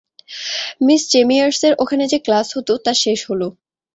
Miss চেমিয়ার্সের ওখানে যে ক্লাস হত তা শেষ হল।